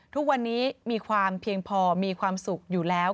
ทุกวันนี้มีความเพียงพอมีความสุขอยู่แล้ว